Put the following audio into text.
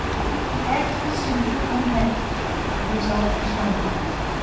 The act was simple and natural, but the result was wonderful.